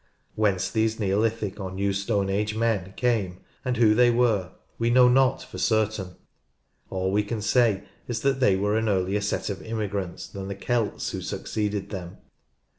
Whence these Neolithic or New Stone Age men came and who they were we know not for certain ; all we can say is that they were an earlier set of immigrants than the Celts who succeeded them.